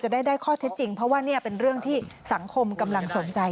ได้ข้อเท็จจริงเพราะว่านี่เป็นเรื่องที่สังคมกำลังสนใจ